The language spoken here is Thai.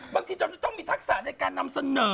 บางทีเราจะต้องมีทักษะในการนำเสนอ